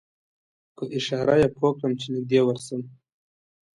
په اشاره یې پوی کړم چې نږدې ورشم.